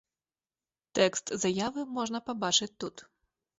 Тэкст заявы можна пабачыць тут.